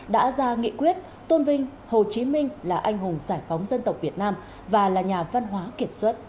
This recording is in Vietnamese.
đã ra nghị quyết tôn vinh hồ chí minh là anh hùng giải phóng dân tộc việt nam và là nhà văn hóa kiệt xuất